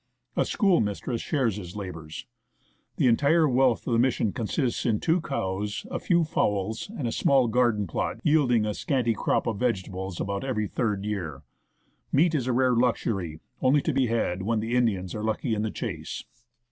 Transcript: A schoolmistress shares his labours. The entire wealth of the Mission consists in two cows, a few fowls, and a small garden plot yielding a scanty crop of vegetables about every third year. Meat is a rare luxury, only to be had when the Indians are lucky in the chase.